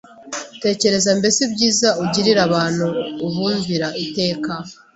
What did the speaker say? Tekereza mbese ibyiza ugirira abantu ubumvira iteka